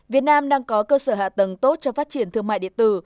việt nam đang có cơ sở hạ tầng tốt cho phát triển thương mại điện tử